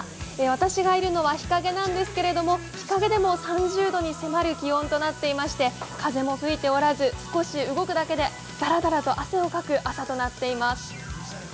私がいるのは日陰なんですけれども、日陰でも３０度に迫る気温となっていまして風も吹いておらず少し動くだけでだらだらと汗をかく朝となっています。